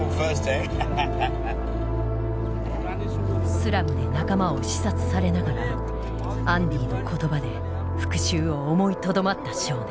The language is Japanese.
スラムで仲間を刺殺されながらアンディの言葉で復讐を思いとどまった少年。